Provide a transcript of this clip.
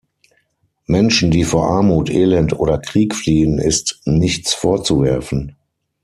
Menschen, die vor Armut, Elend oder Krieg fliehen, ist nichts vorzuwerfen.